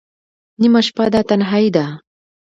نیمه شپه ده تنهایی ده